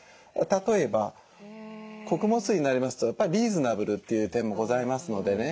例えば穀物酢になりますとやっぱりリーズナブルという点もございますのでね